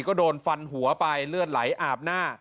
ก็โดนฟันหัวไปเลือดไหลอาบหน้า